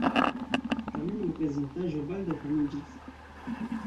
Tamen la okazintaĵo baldaŭ famiĝis.